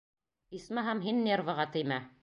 Исмаһам, һин нервыға теймә!